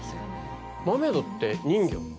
マーメイドって人魚。